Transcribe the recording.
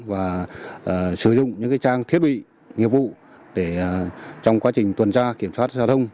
và sử dụng những trang thiết bị nghiệp vụ để trong quá trình tuần tra kiểm soát giao thông